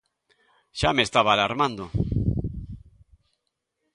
Xa me estaba alarmando.